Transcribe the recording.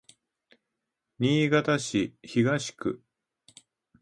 新潟市東区